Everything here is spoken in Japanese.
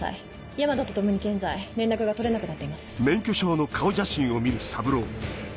大和と共に現在連絡が取れなくなっています。